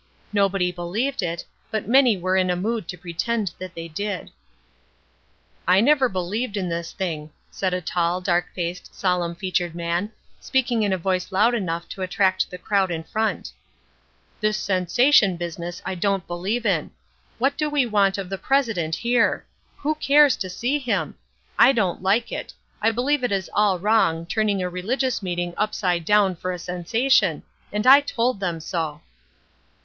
Nobody believed it, but many were in a mood to pretend that they did. "I never believed in this thing," said a tall, dark faced, solemn featured man, speaking in a voice loud enough to interest the crowd in front "This sensation business I don't believe in. What do we want of the president here! Who cares to see him? I don't like it; I believe it is all wrong, turning a religious meeting upside down for a sensation, and I told them so."